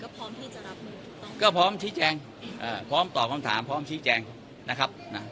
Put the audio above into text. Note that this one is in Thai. พร้อมที่จะรับมือต้องก็พร้อมชี้แจงเอ่อพร้อมตอบคำถามพร้อมชี้แจงนะครับนะ